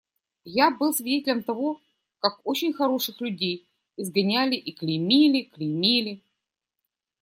Я был свидетелем того, как очень хороших людей изгоняли и клеймили, клеймили.